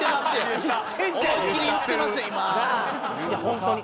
いやホントに。